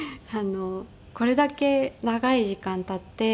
これだけ長い時間立って。